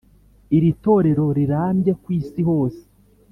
Iri torero rirambye kw Isi hose